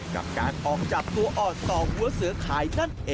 กับการออกจับตัวอ่อนต่อหัวเสือขาย